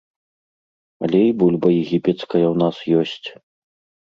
Але і бульба егіпецкая ў нас ёсць.